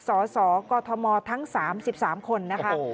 สสกมทั้ง๓๓คนนะคะ